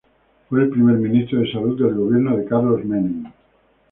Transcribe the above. Fue el primer ministro de Salud del gobierno de Carlos Menem.